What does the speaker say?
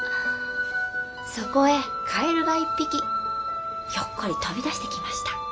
「そこへカエルが一匹ひょっこり飛び出してきました。